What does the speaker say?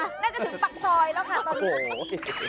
น่าจะถึงปากซอยแล้วค่ะตอนนี้